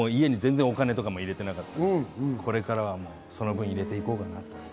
家に全然、お金も入れてなかったので、これからはその分、入れて行こうかなと。